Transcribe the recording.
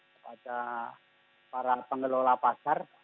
kepada para pengelola pasar